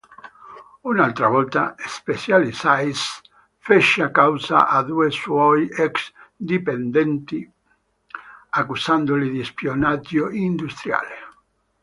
Un'altra volta Specialized fece causa a due suoi ex dipendenti accusandoli di spionaggio industriale.